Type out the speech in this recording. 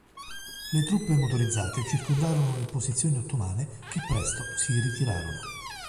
Le truppe motorizzate circondarono le posizioni ottomane che presto si ritirarono.